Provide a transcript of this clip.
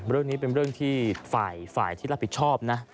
เรื่องนี้เป็นเรื่องที่ฝ่ายที่รับผิดชอบนะ